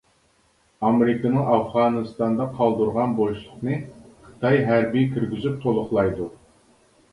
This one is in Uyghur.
ئامېرىكىنىڭ ئافغانىستاندا قالدۇرغان بوشلۇقنى خىتاي ھەربىي كىرگۈزۈپ تولۇقلايدۇ.